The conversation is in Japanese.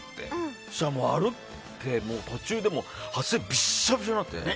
そしたら、歩いてて途中で汗びしゃびしゃになって。